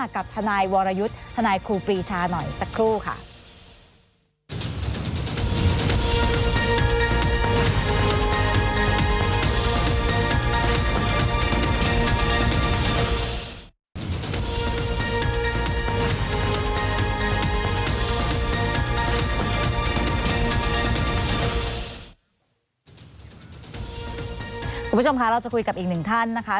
คุณผู้ชมคะเราจะคุยกับอีกหนึ่งท่านนะคะ